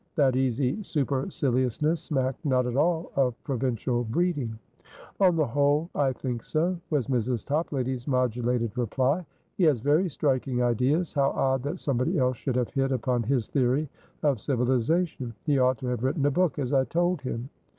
That easy superciliousness smacked not at all of provincial breeding. "On the whole, I think so," was Mrs. Toplady's modulated reply. "He has very striking ideas. How odd that somebody else should have hit upon his theory of civilisation! He ought to have written a book, as I told him."